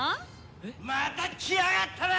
えっ？また来やがったな！